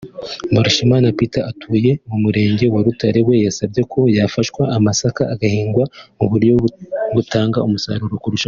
Mbarushimana Peter utuye mu Murenge wa Rutare we yasabye ko bafashwa amasaka agahingwa mu buryo butanga umusaruro kurushaho